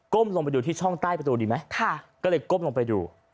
ลงไปดูที่ช่องใต้ประตูดีไหมก็เลยก้มลงไปดู